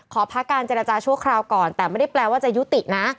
ขอพักการเจรจาชั่วคราวก่อนแต่ไม่ได้แปลว่าจะยุตินะ